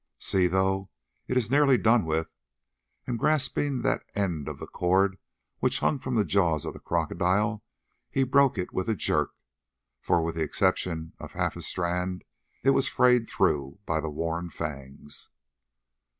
"See, though, it is nearly done with," and grasping that end of the cord which hung from the jaws of the crocodile, he broke it with a jerk, for, with the exception of half a strand, it was frayed through by the worn fangs.